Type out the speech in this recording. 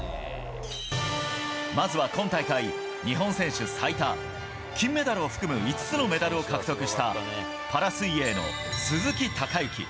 まずは今大会日本選手最多金メダルを含む５つのメダルを獲得したパラ水泳の鈴木孝幸。